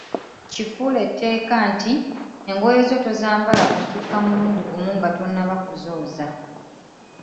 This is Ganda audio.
Kifuule tteeka nti engoye zo tozambala kusukka mulundi gumu nga tonnaba kuzooza.